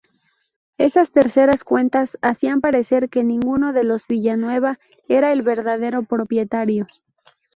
Esas terceras cuentas hacían parecer que ninguno de los Villanueva era el verdadero propietario.